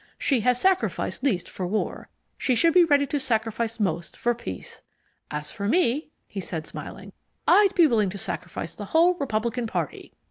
She has sacrificed least for war, she should be ready to sacrifice most for peace. As for me," he said, smiling, "I'd be willing to sacrifice the whole Republican party!"